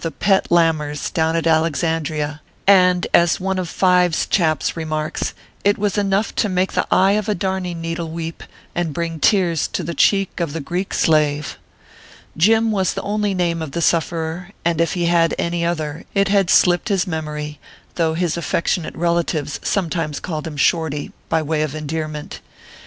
47 the " Pet Laminers," down at Alexandria, and, as one of Five s chaps remarks, it was enough to make the eye of a darning needle weep, and bring tears to the cheek of the Greek slave. Jim was the only name of the sufferer, and if he ever had any other, it had slipped his memory, though his affectionate rel atives sometimes called him "Shorty," by way of endearment.